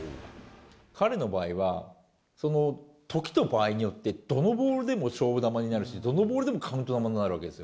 彼の場合は、そのときと場合によって、どのボールでも勝負球になるし、どのボールでもカウント球になるわけですよ。